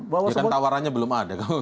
ya kan tawarannya belum ada